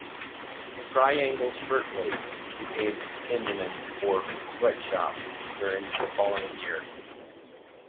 Triangle Shirtwaist became a synonym for "sweatshop" during the following year.